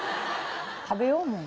食べようもう。